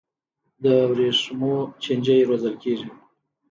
د ورېښمو چینجي روزل کیږي؟